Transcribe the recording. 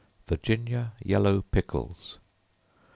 Virginia Yellow Pickles.